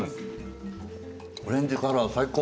オレンジカラー最高。